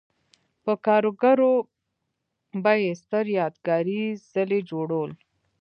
په کارګرو به یې ستر یادګاري څلي جوړول.